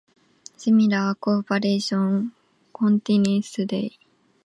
Similar cooperation continues today.